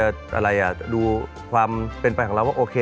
แสดงว่าเขาอยากจะดูความเป็นไปของเราว่าโอเค